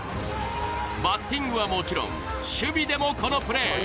バッティングはもちろん、守備でもこのプレー。